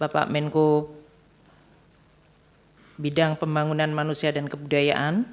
bapak menko bidang pembangunan manusia dan kebudayaan